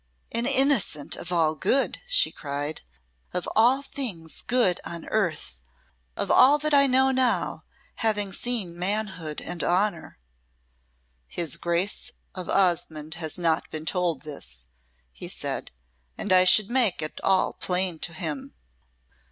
"An innocent of all good," she cried "of all things good on earth of all that I know now, having seen manhood and honour." "His Grace of Osmonde has not been told this," he said; "and I should make it all plain to him."